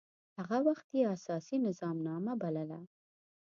هغه وخت يي اساسي نظامنامه بلله.